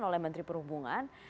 oleh menteri perhubungan